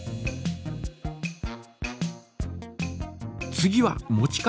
次は持ち方。